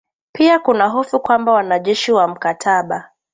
Pia kuna hofu kwamba wanajeshi wa mkataba